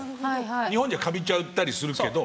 日本じゃカビちゃったりするけど。